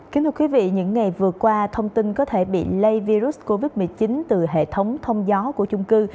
kính thưa quý vị những ngày vừa qua thông tin có thể bị lây virus covid một mươi chín từ hệ thống thông gió của chung cư